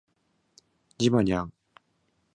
ジバニャン